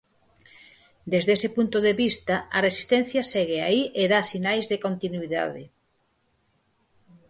Desde ese punto de vista, a resistencia segue aí e dá sinais de continuidade.